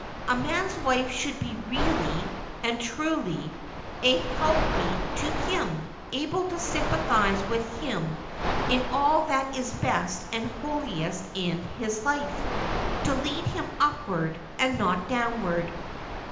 A man's wife should be really and truly a helpmeet to him, able to sympathize with him in all that is best and holiest in his life, to lead him upward and not down ward.